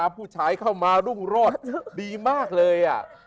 ผู้ชายเข้ามารุ่งโรศดีมากเลย